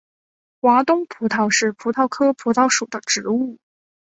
华东葡萄是葡萄科葡萄属的植物。